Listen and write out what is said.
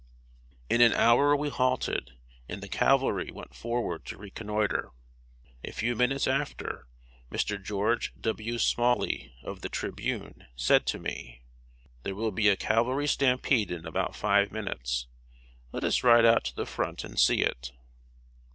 In an hour we halted, and the cavalry went forward to reconnoiter. A few minutes after, Mr. George W. Smalley, of The Tribune, said to me: "There will be a cavalry stampede in about five minutes. Let us ride out to the front and see it."